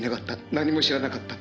何も知らなかった」